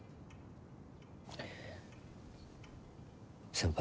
先輩。